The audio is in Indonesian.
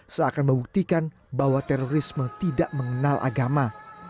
seakan membuktikan bahwa terorisme tidak mengenal agama